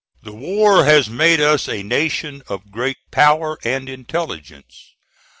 The war has made us a nation of great power and intelligence.